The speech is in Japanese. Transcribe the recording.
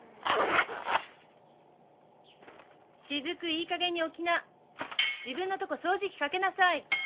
雫いいかげんに起きな自分のとこ掃除機かけなさい。